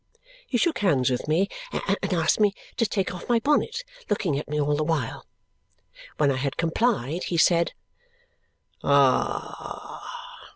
He shook hands with me and asked me to take off my bonnet, looking at me all the while. When I had complied, he said, "Ah!"